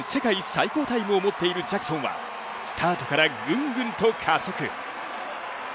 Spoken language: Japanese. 最高タイムを持っているジャクソンは、スタートからぐんぐんと加速。